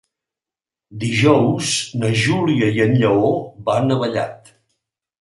Dijous na Júlia i en Lleó van a Vallat.